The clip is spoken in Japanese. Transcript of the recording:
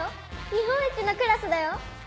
日本一のクラスだよ！